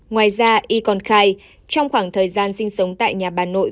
ngoài ra y còn khai trong khoảng thời gian sinh sống tại nhà bà nội